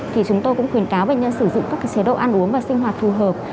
thì chúng tôi cũng khuyến cáo bệnh nhân sử dụng các chế độ ăn uống và sinh hoạt phù hợp